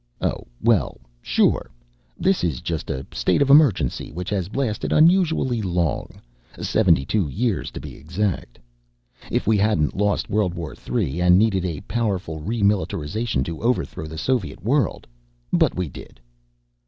"Oh, well, sure. This is just a state of emergency which has lasted unusually long, seventy two years to be exact. If we hadn't lost World War III, and needed a powerful remilitarization to overthrow the Soviet world but we did."